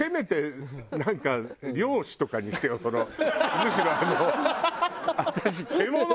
むしろあの。